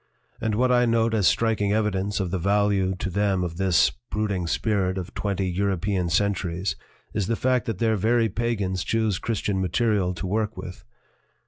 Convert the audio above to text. And what I note as striking evidence of the value to them of this brooding spirit of twenty European centuries is the fact that their very pagans choose Christian material to work with.